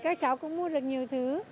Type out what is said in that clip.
các cháu cũng mua được nhiều thứ